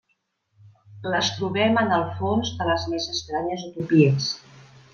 Les trobem en el fons de les més estranyes utopies.